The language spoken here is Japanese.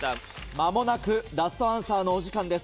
間もなくラストアンサーのお時間です。